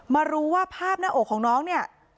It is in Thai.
มารู้ว่าภาพหน้าอกของน้องเนี่ย